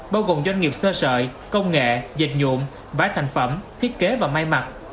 bao gồm doanh nghiệp sơ sợi công nghệ dịch nhuộm vải thành phẩm thiết kế và may mặt